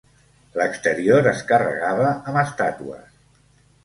L'exterior es carregava amb estàtues.